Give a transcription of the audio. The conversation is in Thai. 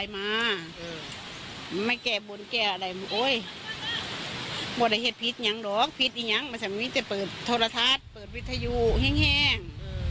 ไม่ได้เหตุผิดอย่างหรอกผิดอย่างมันจะเปิดทรทัศน์เปิดวิทยุแห้ง